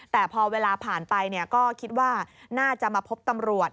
แต่พอเวลาผ่านไปก็คิดว่าน่าจะมาพบตำรวจ